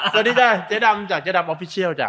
สวัสดีค่ะเจ๊ดำจากเจ๊ดำออฟฟิเชียลจ้ะ